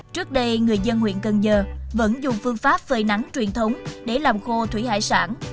trước đây người dân huyện cần giờ vẫn dùng phương pháp phơi nắng truyền thống để làm khô thủy hải sản